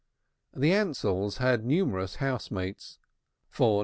The Ansells had numerous housemates, for No.